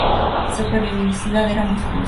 Su periodicidad era mensual.